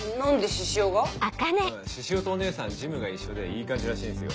獅子王とお姉さんジムが一緒でいい感じらしいんすよ。